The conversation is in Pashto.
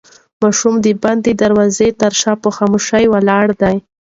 ماشوم د بندې دروازې تر شا په خاموشۍ ولاړ دی.